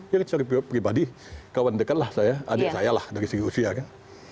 yang secara pribadi kawan dekatlah saya adik saya lah dari segi usia kan